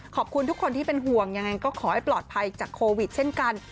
ขอบคุณทุกคนที่เป็นห่วงยังไงก็ขอให้ปลอดภัยจากโควิดเช่นกัน